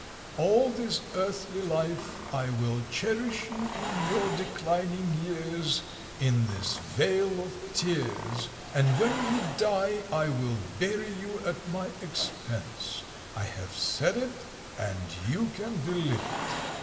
All this earthly life I will cherish you in your declining years in this vale of tears, and when you die I will bury you at my expense; I have said it, and you can believe it."